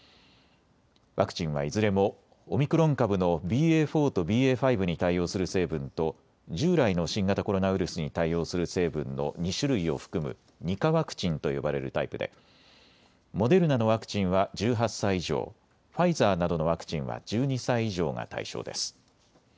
ワクチンはいずれもオミクロン株のＢＡ．４とＢＡ．５に対応する成分と従来の新型コロナウイルスに対応する成分の２種類を含む２価ワクチンと呼ばれるタイプでモデルナのワクチンは１８歳以上、ファイザーなどのワクチンは１２歳以上が対象です。